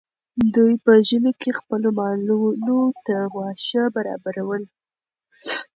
دوی په ژمي کې خپلو مالونو ته واښه برابرول.